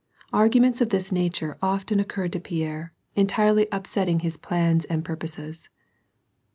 Arguments of this nature often occurred to Pierre, entirely upsetting his plans and purposes.